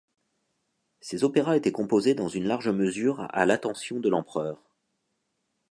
Ces opéras étaient composés dans une large mesure à l'attention de l'Empereur.